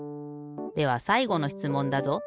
ではさいごのしつもんだぞ。